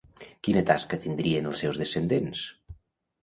Quina tasca tindrien els seus descendents?